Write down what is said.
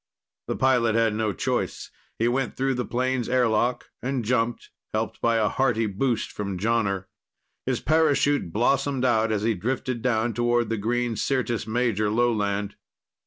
The pilot had no choice. He went through the plane's airlock and jumped, helped by a hearty boost from Jonner. His parachute blossomed out as he drifted down toward the green Syrtis Major Lowland.